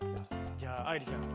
じゃあ愛理ちゃん。